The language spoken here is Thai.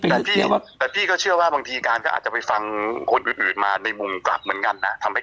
พี่นุ่มเก็บว่าเป็นอย่างงั้นไม่ได้ก็ดีกว่านี้